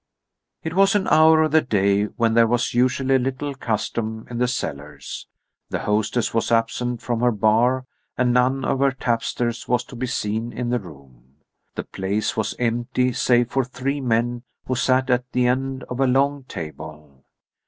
It was an hour of the day when there was usually little custom in the cellars. The hostess was absent from her bar and none of her tapsters was to be seen in the room. The place was empty, save for three men, who sat at the end of a long table.